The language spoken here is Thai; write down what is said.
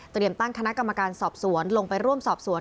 ตั้งคณะกรรมการสอบสวนลงไปร่วมสอบสวน